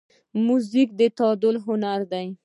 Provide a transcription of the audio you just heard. موزیک د تعادل هنر دی.